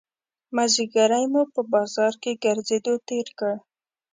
مازیګری مو په بازار کې ګرځېدو تېر کړ.